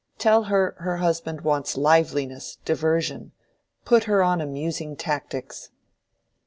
Tell her, her husband wants liveliness, diversion: put her on amusing tactics."